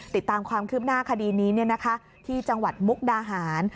ติดตามความคืบหน้าคดีนี้ที่จังหวัดมุกดาหาร